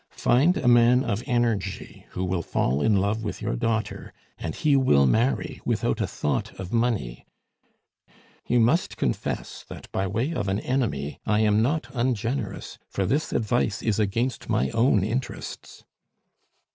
Find a man of energy who will fall in love with your daughter, and he will marry without a thought of money. You must confess that by way of an enemy I am not ungenerous, for this advice is against my own interests."